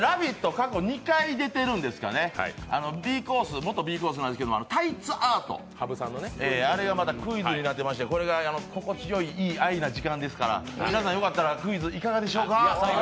過去２回出ているんですかね、元Ｂコースなんですけどタイツアート、あれがまたクイズになっていましてこれが心地いい愛な時間ですから皆さんよかったらクイズ、いかがでしょうか。